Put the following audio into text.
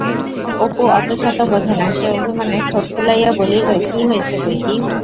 অপু অতশত বোঝে না, সে অভিমানে ঠোঁট ফুলাইয়া বলিল, কি হয়েছে বইকি!